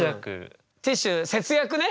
ティッシュ節約ね。